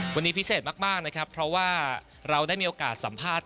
วันนี้พิเศษมากนะครับเพราะว่าเราได้มีโอกาสสัมภาษณ์